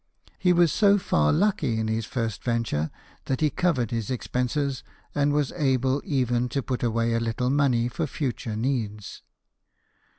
" He was so far lucky in this first venture that he covered his expenses and was able even to put away a little money for future needs.